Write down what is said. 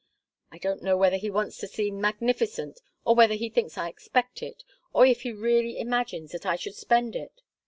I don't know whether he wants to seem magnificent, or whether he thinks I expect it, or if he really imagines that I should spend it.